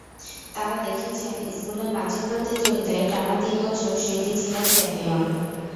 তাঁরা দেখেছেন, স্কুলের নাচের প্রতিযোগিতায় টানা তিন বছর শৈতী ছিলেন চ্যাম্পিয়ন।